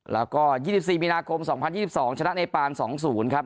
แล้วก็๒๔มีนาคม๒๐๒๒ชนะเนปาน๒๐ครับ